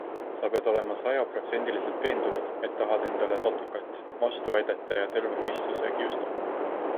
Sa pead olema sajaprotsendiliselt veendunud, et tahad endale tätokat - vastuväidete ja terve mõistuse kiuste.